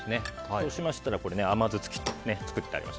そうしましたら甘酢キットを作ってあります。